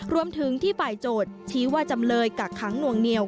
รวมถึงที่ฝ่ายโจทย์ชี้ว่าจำเลยกักขังหน่วงเหนียว